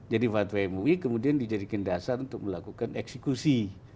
jadi fatwa mui kemudian dijadikan dasar untuk melakukan eksekusi